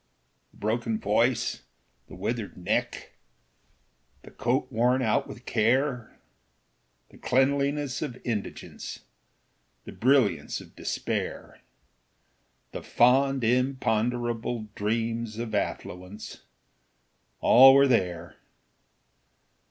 The broken voice, the withered neck, The coat worn out with care, The cleanliness of indigence, The brilliance of despair, The fond imponderable dreams Of affluence, all were there.